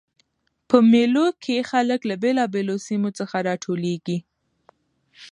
په مېلو کښي خلک له بېلابېلو سیمو څخه راټولیږي.